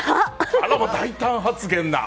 あらま、大胆発言だ。